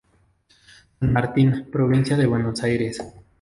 San Martín, provincia de Buenos Aires.